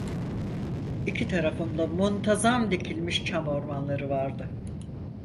İki tarafımda muntazam dikilmiş çam ormanları vardı.